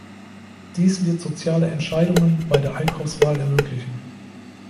Dies wird soziale Entscheidungen bei der Einkaufswahl ermöglichen.